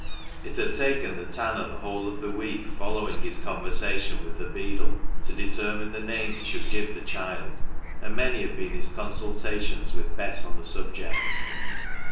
It had taken the tanner the whole of the week following his conversation with the beadle to determine the name he should give the child, and many had been his consultations with Bess on the subject.